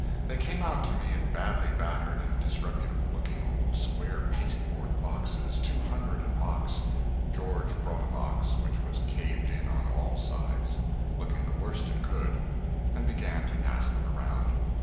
They came out to me in badly battered and disreputable looking old square pasteboard boxes, two hundred in a box. George brought a box, which was caved in on all sides, looking the worst it could, and began to pass them around.